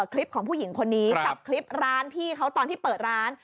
คลิปของผู้หญิงคนนี้จับคลิปร้านพี่เขาตอนที่เปิดร้าน